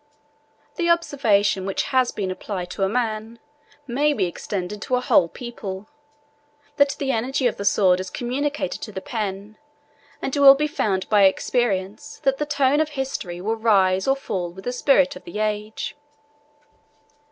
The observation which has been applied to a man, may be extended to a whole people, that the energy of the sword is communicated to the pen; and it will be found by experience, that the tone of history will rise or fall with the spirit of the age.